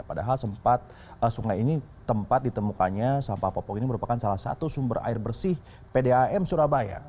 padahal sempat sungai ini tempat ditemukannya sampah popok ini merupakan salah satu sumber air bersih pdam surabaya